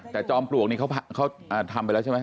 แต่จอมปลวกนี่เขาทำไปแล้วใช่ไหม